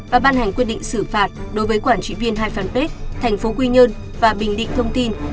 và ban hành quyết định xử phạt đối với quản trị viên hai fanpage thành phố quy nhơn và bình định thông tin